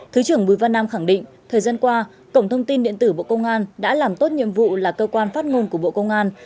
thứ trưởng bùi văn nam khẳng định thời gian qua cổng thông tin điện tử bộ công an đã làm tốt nhiệm vụ là cơ quan phát ngôn của bộ công an